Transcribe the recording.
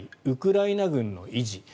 ウクライナ軍の維持